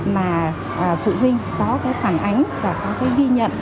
mà phụ huynh có cái phản ánh và có cái ghi nhận